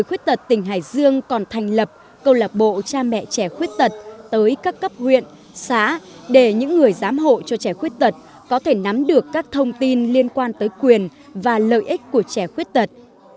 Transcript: người khuyết tật tỉnh hải dương còn thành lập câu lạc bộ cha mẹ trẻ khuyết tật tới các cấp huyện xã để những người giám hộ cho trẻ khuyết tật có thể nắm được các thông tin liên quan tới quyền và lợi ích của trẻ khuyết tật